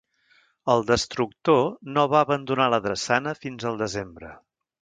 El "destructor" no va abandonar la drassana fins al desembre.